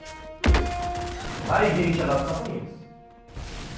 古代ギリシャだったといいます。